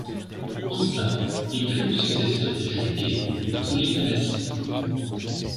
En ça, il fut le successeur de Jules Gay ou Poulet-Malassis.